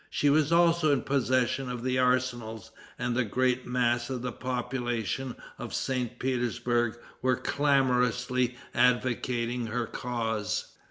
She was also in possession of the arsenals; and the great mass of the population of St. Petersburg were clamorously advocating her cause.